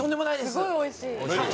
すごいおいしい。